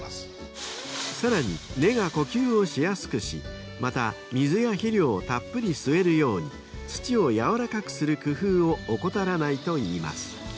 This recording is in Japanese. ［さらに根が呼吸をしやすくしまた水や肥料をたっぷり吸えるように土を軟らかくする工夫を怠らないと言います］